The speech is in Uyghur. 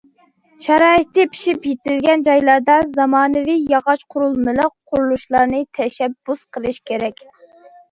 شارائىتى پىشىپ يېتىلگەن جايلاردا زامانىۋى ياغاچ قۇرۇلمىلىق قۇرۇلۇشلارنى تەشەببۇس قىلىش كېرەك.